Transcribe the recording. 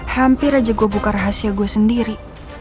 hampir aja gue buka rahasia gue sendiri